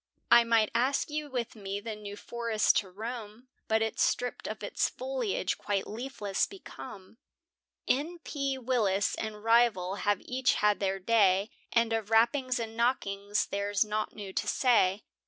I might ask you with me the New Forest to roam, But it's stript of its foliage, quite leafless become; N.P. Willis and rival have each had their day, And of rappings and knockings there's nought new to say.